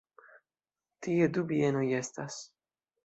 Tie du bienoj estas.